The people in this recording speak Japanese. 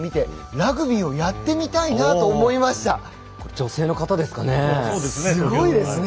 女性の方ですかね？